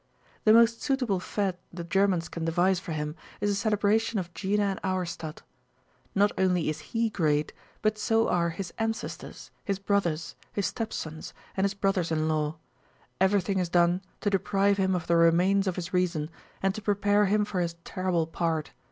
The most suitable fête the Germans can devise for him is a celebration of Jena and Auerstädt. Not only is he great, but so are his ancestors, his brothers, his stepsons, and his brothers in law. Everything is done to deprive him of the remains of his reason and to prepare him for his terrible part.